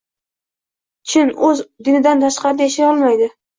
Chin, odam o‘z dinidan tashqarida yashay olmaydi.